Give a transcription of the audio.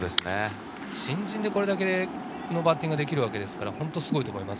新人でこれだけのバッティングができるわけですから本当にすごいと思います。